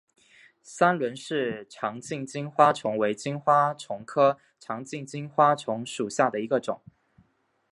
三轮氏长颈金花虫为金花虫科长颈金花虫属下的一个种。